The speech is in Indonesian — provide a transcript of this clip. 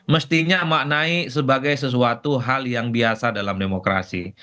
mestinya maknai sebagai sesuatu hal yang biasa dalam demokrasi